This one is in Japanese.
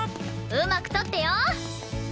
うまく撮ってよ！